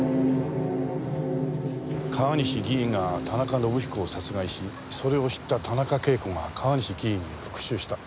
川西議員が田中伸彦を殺害しそれを知った田中啓子が川西議員に復讐した。